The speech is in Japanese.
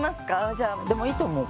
じゃあでもいいと思う